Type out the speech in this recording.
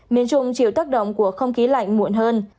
miền trung chịu tác động của không khí lạnh muộn hơn